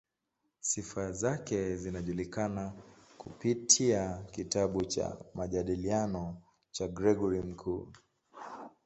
Sifa zake zinajulikana kupitia kitabu cha "Majadiliano" cha Gregori Mkuu.